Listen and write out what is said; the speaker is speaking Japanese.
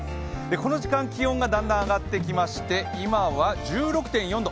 この時間、気温がだんだん上がってきまして、今は１６．４度。